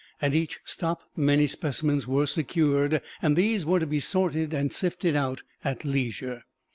At each stop many specimens were secured, and these were to be sorted and sifted out at leisure.